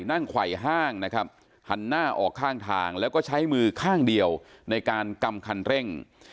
ไขว่ห้างนะครับหันหน้าออกข้างทางแล้วก็ใช้มือข้างเดียวในการกำคันเร่ง